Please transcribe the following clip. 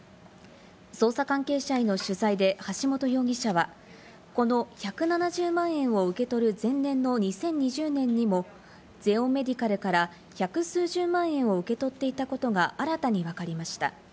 捜査関係者への取材で橋本容疑者はこの１７０万円を受け取る前年の２０２０年にもゼオンメディカルから１００数十万円を受け取っていたことが新たにわかりました。